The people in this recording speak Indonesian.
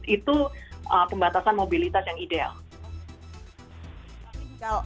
itu pembatasan mobilitas yang ideal